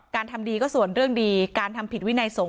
ทำดีก็ส่วนเรื่องดีการทำผิดวินัยสงฆ